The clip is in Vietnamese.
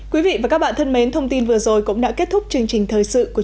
quý vị và các bạn thân mến thông tin vừa rồi cũng đã kết thúc chương trình thời sự của